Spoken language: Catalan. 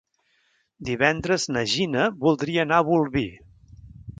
Divendres na Gina voldria anar a Bolvir.